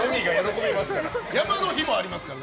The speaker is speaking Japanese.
山の日もありますから。